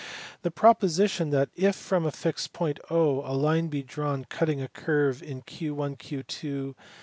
The proposition that "if from a fixed point a line bo drawn cutting a curve; in Qn Qvi .